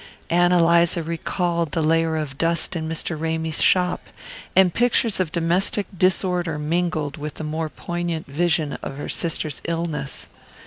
Ann Eliza recalled the layer of dust in Mr. Ramy's shop, and pictures of domestic disorder mingled with the more poignant vision of her sister's illness.